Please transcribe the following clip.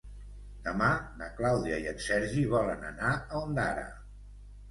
Demà na Clàudia i en Sergi volen anar a Ondara.